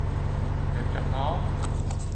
Từng đêm trông ngóng